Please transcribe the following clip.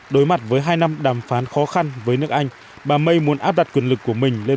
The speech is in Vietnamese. đối mặt với hai năm đàm phán khó khăn với nước anh bà may muốn áp đặt quyền lực của mình lên